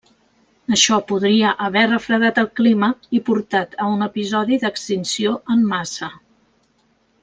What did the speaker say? Això podria haver refredat el clima i portat a un episodi d'extinció en massa.